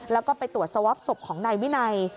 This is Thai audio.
แล้วก็ไปตรวจสวอปศพของนายวินัย